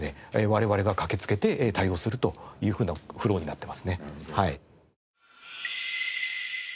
我々が駆けつけて対応するというふうなフローになってますね。